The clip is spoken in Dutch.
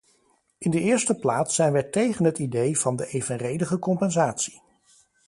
In de eerste plaats zijn wij tegen het idee van de evenredige compensatie.